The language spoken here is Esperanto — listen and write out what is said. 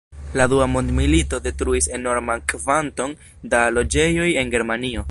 La Dua mondmilito detruis enorman kvanton da loĝejoj en Germanio.